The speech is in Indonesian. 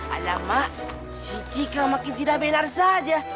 alamak si cika makin tidak benar saja